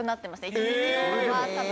１２キロは多分。